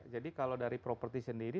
jadi kalau dari properti sendiri